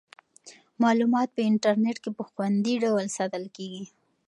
معلومات په انټرنیټ کې په خوندي ډول ساتل کیږي.